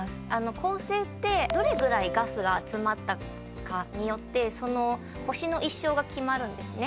恒星ってどれぐらいガスが詰まったかによってその星の一生が決まるんですね。